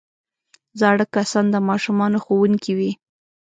زاړه کسان د ماشومانو ښوونکي وي